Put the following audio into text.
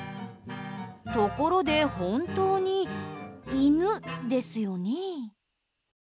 ところで、本当に犬ですよね？